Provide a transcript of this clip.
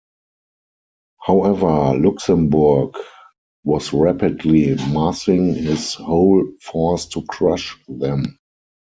However, Luxembourg was rapidly massing his whole force to crush them.